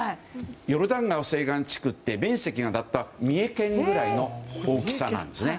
ヨルダン川西岸地区って面積が三重県ぐらいの大きさなんですね。